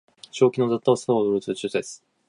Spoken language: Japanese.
正気の沙汰とは思えませんね